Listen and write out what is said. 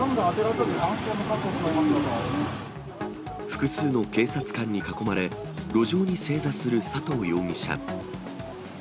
複数の警察官に囲まれ、路上に正座する佐藤容疑者。